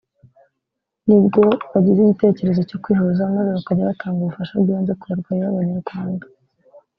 nibwo bagize igitekerezo cyo kwihuza maze bakajya batanga ubufasha bw’ibanze ku barwayi b’ababanyarwanda